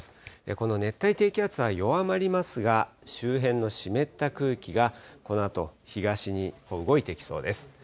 この熱帯低気圧は弱まりますが、周辺の湿った空気が、このあと、東に動いていきそうです。